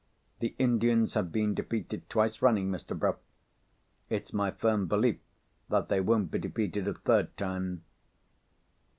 The Indians have been defeated twice running, Mr. Bruff. It's my firm belief that they won't be defeated a third time."